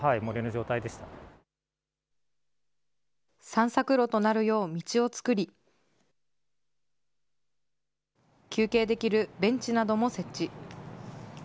散策路となるよう道を作り、休憩できるベンチなども設置。